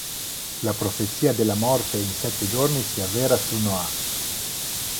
La profezia della morte in sette giorni si avvera su Noah.